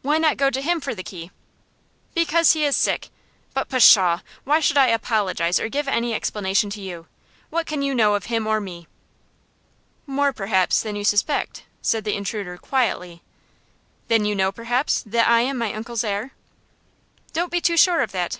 "Why not go to him for the key?" "Because he is sick. But, pshaw! why should I apologize or give any explanation to you? What can you know of him or me?" "More, perhaps, than you suspect," said the intruder, quietly. "Then, you know, perhaps, that I am my uncle's heir?" "Don't be too sure of that."